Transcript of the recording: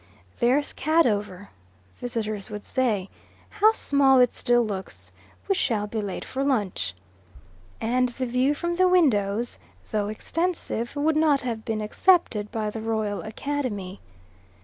"There's Cadover," visitors would say. "How small it still looks. We shall be late for lunch." And the view from the windows, though extensive, would not have been accepted by the Royal Academy.